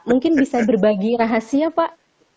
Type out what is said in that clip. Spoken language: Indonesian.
mungkin bisa berbagi rahasia pak